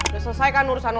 udah selesai kan urusan lo